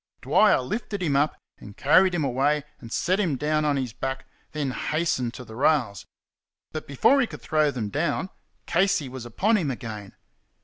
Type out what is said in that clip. Dwyer lifted him up and carried him away and set him down on his back, then hastened to the rails. But before he could throw them down Casey was upon him again.